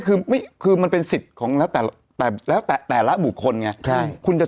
คืออันนี้คือมันเป็นสิทธิ์ของแต่ละบุคคลไง